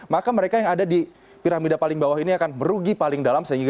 maka mereka yang ada di piramida paling bawah ini akan merugi paling dalam